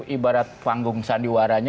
ibarat panggung sandiwaranya